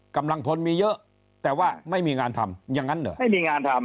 กำลังพลมีเยอะแต่ว่าไม่มีงานทำอย่างนั้นเหรอไม่มีงานทำ